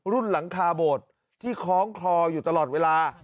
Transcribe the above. หลังคาโบสถ์ที่คล้องคลออยู่ตลอดเวลา